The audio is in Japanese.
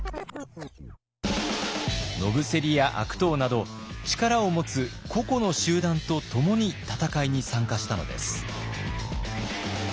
野伏や悪党など力を持つ個々の集団と共に戦いに参加したのです。